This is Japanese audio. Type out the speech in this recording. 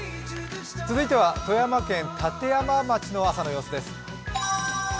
富山県立山町の朝の様子です。